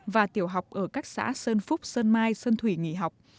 và tiểu học ở các xã sơn phúc sơn mai sơn thủy nghỉ học